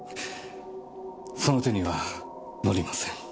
その手にはのりません。